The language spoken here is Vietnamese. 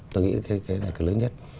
tôi nghĩ cái này là cái lớn nhất